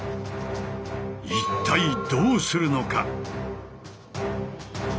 一体どうするのか？